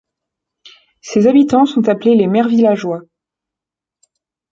Ses habitants sont appelés les Mervillageois.